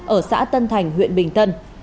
ở xã tân thành huyện bình tân